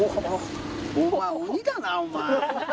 お前、鬼だな、お前。